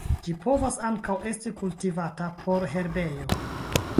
Ĝi povas ankaŭ esti kultivata por herbejo.